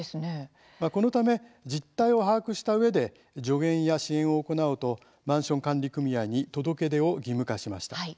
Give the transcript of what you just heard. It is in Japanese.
このため実態を把握したうえで助言や支援を行おうとマンション管理組合に届け出を義務化しました。